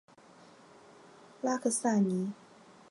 拉卡萨尼。